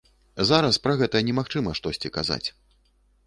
Зараз пра гэта немагчыма штосьці казаць.